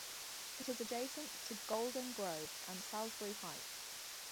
It is adjacent to Golden Grove and Salisbury Heights.